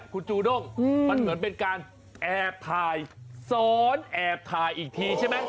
คุณจูด้งมันเหมือนเป็นการแอบถ่ายซ้อนแอบถ่ายอีกทีใช่ไหม